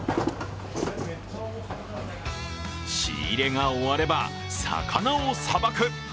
仕入れが終われば、魚をさばく。